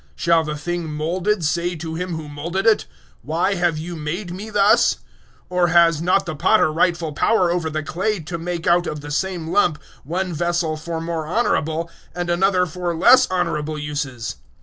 Shall the thing moulded say to him who moulded it, "Why have you made me thus?" 009:021 Or has not the potter rightful power over the clay to make out of the same lump one vessel for more honourable and another for less honourable uses?